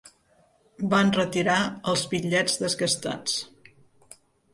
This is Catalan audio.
Van retirar els bitllets desgastats.